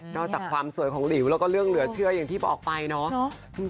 จากความสวยของหลิวแล้วก็เรื่องเหลือเชื่ออย่างที่บอกไปเนาะ